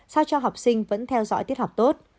sao cho học sinh vẫn theo dõi tiết học tốt